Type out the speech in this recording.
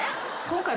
今回。